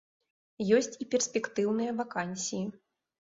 Ёсць і перспектыўныя вакансіі.